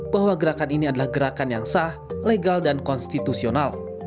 bahwa gerakan ini adalah gerakan yang sah legal dan konstitusional